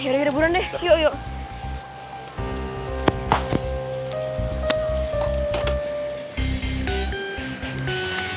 yaudah yaudah buruan deh yuk yuk